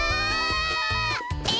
え！